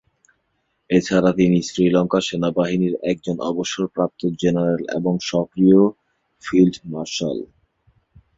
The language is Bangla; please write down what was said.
এছাড়া তিনি শ্রীলঙ্কা সেনাবাহিনীর একজন অবসরপ্রাপ্ত জেনারেল এবং সক্রিয় ফিল্ড মার্শাল।